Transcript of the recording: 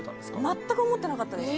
全く思ってなかったです